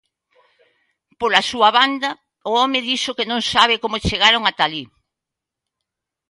Pola súa banda, o home dixo que non sabe como chegaron ata alí.